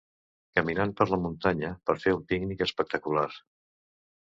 Caminant per la muntanya per fer un pícnic espectacular.